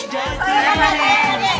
siapa pak d